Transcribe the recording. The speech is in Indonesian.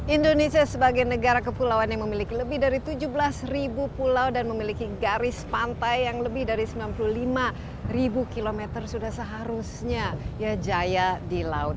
indonesia sebagai negara kepulauan yang memiliki lebih dari tujuh belas ribu pulau dan memiliki garis pantai yang lebih dari sembilan puluh lima km sudah seharusnya ya jaya di laut